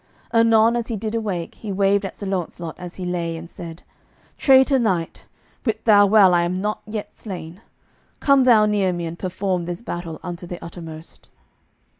Anon as he did awake, he waved at Sir Launcelot as he lay, and said, "Traitor knight, wit thou well I am not yet slain; come thou near me, and perform this battle unto the uttermost."